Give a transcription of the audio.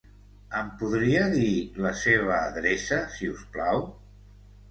Em podria dir la seva adreça, si us plau?